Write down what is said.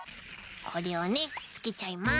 これをねつけちゃいます。